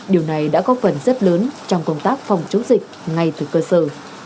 điều này đã có phần rất lớn trong công tác phòng chống dịch ngay từ cơ sở